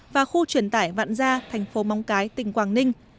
và khu truyền tải vạn gia thành phố móng cái tỉnh quảng ninh